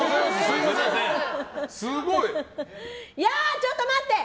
ちょっと待って！